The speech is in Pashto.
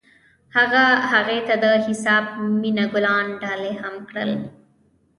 هغه هغې ته د حساس مینه ګلان ډالۍ هم کړل.